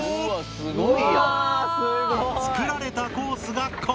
すごい！